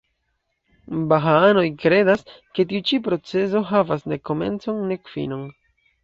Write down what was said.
Bahaanoj kredas, ke tiu ĉi procezo havas nek komencon, nek finon.